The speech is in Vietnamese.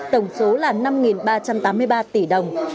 tổng số là năm ba trăm tám mươi ba tỷ đồng